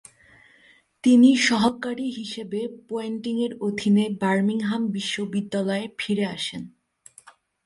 তিনি সহকারী হিসেবে পোয়ান্টিংয়ের অধীনে বার্মিংহাম বিশ্ববিদ্যালয়ে ফিরে আসেন।